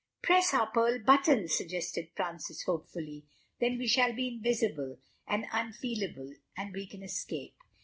"Press our pearl buttons," suggested Francis hopefully. "Then we shall be invisible and unfeelable and we can escape."